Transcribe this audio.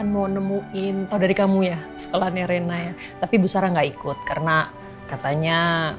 mau nemuin tahu dari kamu ya sekolahnya rena ya tapi bu sarah nggak ikut karena katanya